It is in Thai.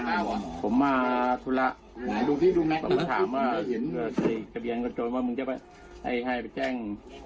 ผมมาธุระผมมาถามว่าเห็นว่าใส่ทะเบียนกับโจรว่ามึงจะไปให้ให้ไปแจ้ง